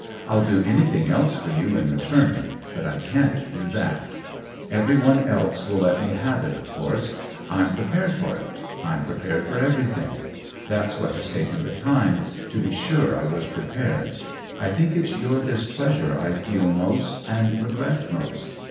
I'll do an)'thing else for you in return, but I can't do that. Ev ery one else will let me have it, of course, I'm prepared for it — I'm prepared for every thing. That's what has taken the time : to be sure I was prepared. I think it's your displeasure I feel most and regret most.